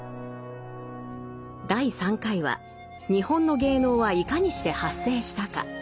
第３回は日本の芸能はいかにして発生したか？